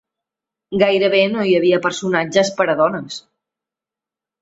Gairebé no hi havia personatges per a dones.